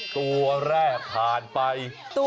ตัวแรกผ่านไป